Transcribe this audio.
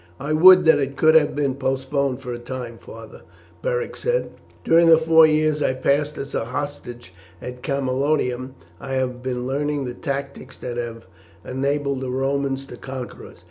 "I would that it could have been postponed for a time, father," Beric said. "During the four years I passed as a hostage at Camalodunum I have been learning the tactics that have enabled the Romans to conquer us.